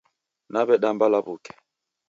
Naw'edamba law'uke